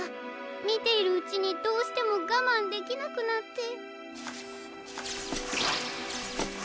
みているうちにどうしてもがまんできなくなって。